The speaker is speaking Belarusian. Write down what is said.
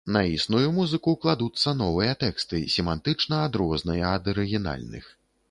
На існую музыку кладуцца новыя тэксты, семантычна адрозныя ад арыгінальных.